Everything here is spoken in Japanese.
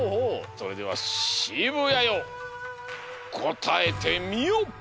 それでは渋谷よこたえてみよ！